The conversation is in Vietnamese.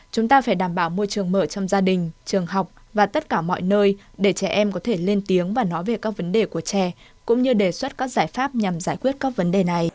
chúng ta phải đảm bảo môi trường mở trong gia đình trường học và tất cả mọi nơi để trẻ em có thể lên tiếng và nói về các vấn đề của trẻ cũng như đề xuất các giải pháp nhằm giải quyết các vấn đề này